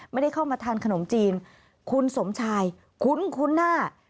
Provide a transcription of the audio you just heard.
ไม่ได้เข้ามาทานขนมจีนคุณสมชายคุ้นหน้า